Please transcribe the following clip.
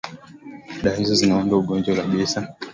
dawa hizo zinaondoa ugonjwa kabisa